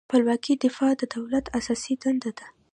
له خپلواکۍ دفاع د دولت اساسي دنده ده.